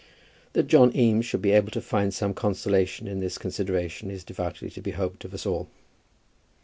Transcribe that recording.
That John Eames should be able to find some consolation in this consideration is devoutly to be hoped by us all.